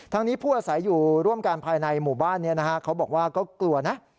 นี้ผู้อาศัยอยู่ร่วมกันภายในหมู่บ้านนี้นะฮะเขาบอกว่าก็กลัวนะ